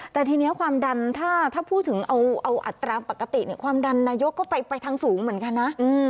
แต่ทีนี้ความดันถ้าพูดถึงเอาอัตราปกติความดันนายกก็ไปทางสูงเหมือนกันนะ